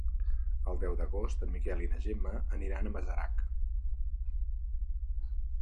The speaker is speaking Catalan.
El deu d'agost en Miquel i na Gemma aniran a Masarac.